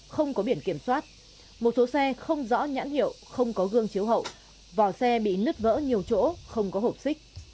không có biển kiểm soát một số xe không rõ nhãn hiệu không có gương chiếu hậu vào xe bị nứt vỡ nhiều chỗ không có hộp xích